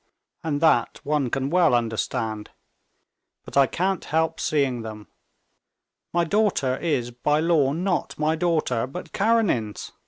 And that one can well understand. But I can't help seeing them. My daughter is by law not my daughter, but Karenin's.